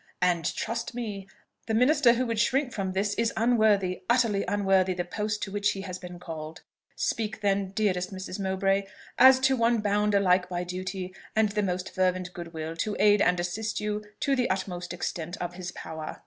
And, trust me, the minister who would shrink from this is unworthy utterly unworthy the post to which he has been called. Speak, then, dearest Mrs. Mowbray, as to one bound alike by duty and the most fervent good will to aid and assist you to the utmost extent of his power."